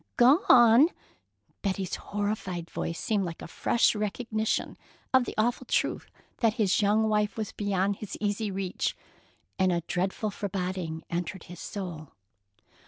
"Gone!" Betty's horrified voice seemed like a fresh recognition of the awful truth that his young wife was beyond his easy reach, and a dreadful foreboding entered his soul.